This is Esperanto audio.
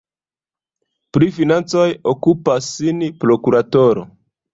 Pri financoj okupas sin prokuratoro.